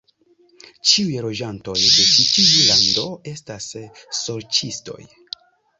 Ĉiuj loĝantoj de ĉi tiu lando estas sorĉistoj.